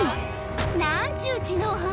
何ちゅう知能犯！